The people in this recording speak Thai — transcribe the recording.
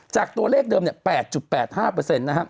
จากตัวเลขเดิม๘๘๕นะครับ